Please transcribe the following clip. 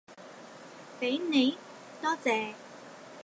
畀你，多謝